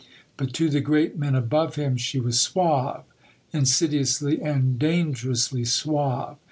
But to the great men above him, she was suave insidiously and dangerously suave.